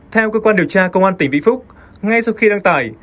theo cơ quan điều tra công an tỉnh vĩnh phúc ngay sau khi đăng tải